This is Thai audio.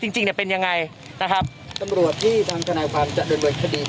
จริงจริงเนี่ยเป็นยังไงนะครับทำรวจที่ทำทันายความจะโดยโดยคดีกรรมนี้